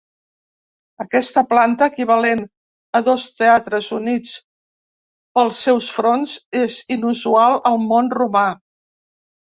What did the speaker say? Aquesta planta, equivalent a dos teatres units pels seus fronts, és inusual al món romà.